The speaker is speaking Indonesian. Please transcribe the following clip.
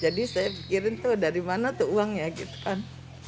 jadi saya pikirin tuh dari mana tuh uangnya gitu kan